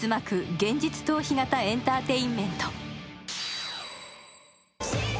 現実逃避型エンターテインメント。